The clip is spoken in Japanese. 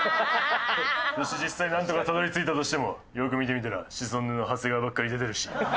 そして実際なんとかたどり着いたとしてもよく見てみたらシソンヌの長谷川ばっかり出てるし。